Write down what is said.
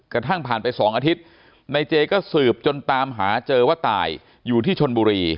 กระทั่งผ่านไป๒อาทิตย์ในเจก็สืบจนตามหาเจอว่าตายอยู่ที่ชนบุรี